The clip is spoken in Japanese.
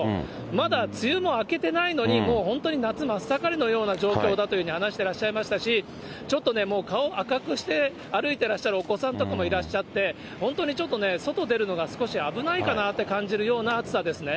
まだ梅雨も明けてないのに、もう本当に夏真っ盛りのような状況だというふうに話してらっしゃいましたし、ちょっとね、もう顔赤くして歩いてらっしゃるお子さんとかもいらっしゃって、本当にちょっとね、外出るのが少し危ないかなと感じるような暑さですね。